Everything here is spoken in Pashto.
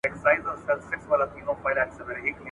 • غل چي غلا کوي، قرآن په بغل کي ورسره گرځوي.